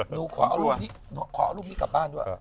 หนูขอรูปนี้กลับบ้านด้วย